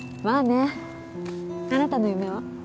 まあねあなたの夢は？